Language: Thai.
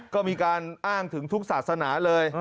ก็มีการอ้างถึงทุกศาสนาเลย